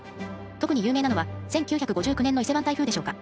特に有名なのは１９５９年の伊勢湾台風でしょうか。